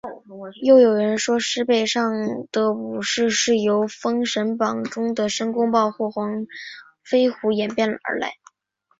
又有人说是狮背上的武士是由封神榜中的申公豹或黄飞虎演变而来。